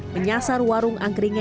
menyasar warung angkringnya